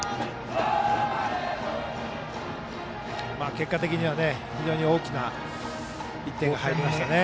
結果的に非常に大きな１点が入りましたね。